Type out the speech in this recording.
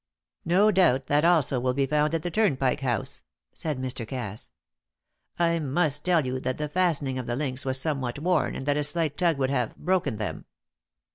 "No doubt that also will be found at the Turnpike House," said Mr. Cass. "I must tell you that the fastening of the links was somewhat worn, and that a slight tug would have, broken them.